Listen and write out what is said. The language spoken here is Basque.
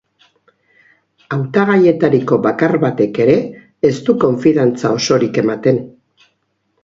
Hautagaietariko bakar batek ere ez du konfidantza osorik ematen.